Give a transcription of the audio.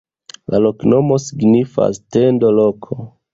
La loknomo signifas: tendo-loko.